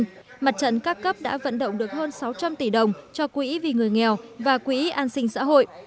trong hai ngày mặt trận các cấp đã vận động được hơn sáu trăm linh tỷ đồng cho quỹ vì người nghèo và quỹ an sinh xã hội